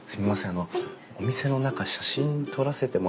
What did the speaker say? あのお店の中写真撮らせてもらってもいいですかね？